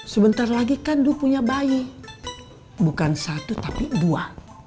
sebentar lagi kandu punya bayi bukan satu tapi dua